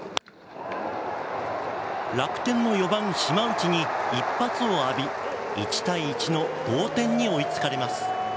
楽天の４番、島内に一発を浴び１対１の同点に追いつかれます。